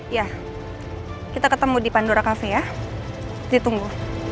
ya kita ketemu di pandora kafe ya ditunggu